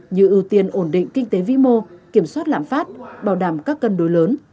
như ưu tiên ổn định kinh tế vĩ mô kiểm soát lãm phát bảo đảm các cân đối lớn